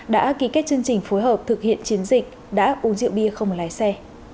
đã ký kết chương trình phối hợp thực hiện chiến dịch đã uống rượu bia không lái xe